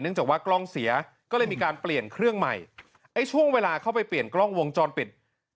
จากว่ากล้องเสียก็เลยมีการเปลี่ยนเครื่องใหม่ไอ้ช่วงเวลาเข้าไปเปลี่ยนกล้องวงจรปิด